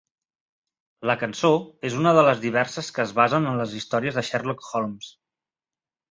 La cançó és una de les diverses que es basen en les històries de Sherlock Holmes.